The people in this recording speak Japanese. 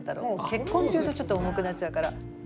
結婚って言うとちょっと重くなっちゃうから。